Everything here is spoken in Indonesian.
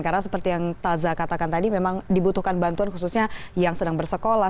karena seperti yang tazah katakan tadi memang dibutuhkan bantuan khususnya yang sedang bersekolah